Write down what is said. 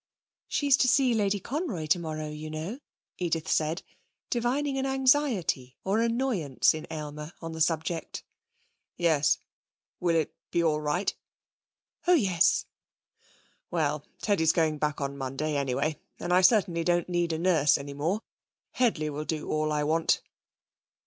'She's to see Lady Conroy tomorrow, you know,' Edith said, divining an anxiety or annoyance in Aylmer on the subject. 'Yes. Will it be all right?' 'Oh yes.' 'Well, Teddy's going back on Monday anyway, and I certainly don't need a nurse any more. Headley will do all I want.'